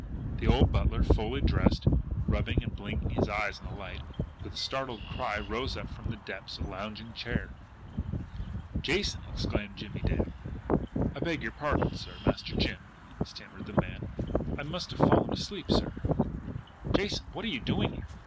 The old butler, fully dressed, rubbing and blinking his eyes at the light, and with a startled cry, rose up from the depths of a lounging chair. "Jason!" exclaimed Jimmie Dale again. "I beg pardon, sir, Master Jim," stammered the man. "I I must have fallen asleep, sir." "Jason, what are you doing here?"